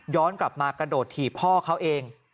กลับมากระโดดถีบพ่อเขาเอง